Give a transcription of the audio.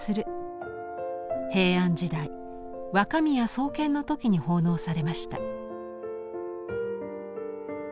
平安時代若宮創建の時に奉納されました。